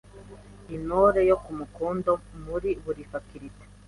Intore yo ku mukondo muri buri faculty;